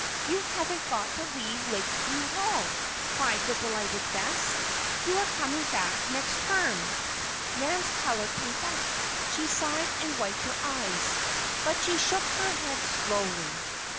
"You haven't got to leave Lakeview Hall!" cried the delighted Bess. "You are coming back next term!" Nan's color came back. She sighed and wiped her eyes. But she shook her head slowly.